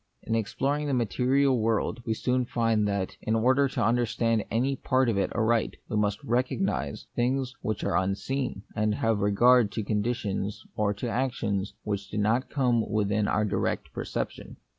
In exploring the material world, we soon find that, in order to understand any part of it aright, we must recognise things which are unseen, and have regard to conditions or to actions which do not come within our direct perception.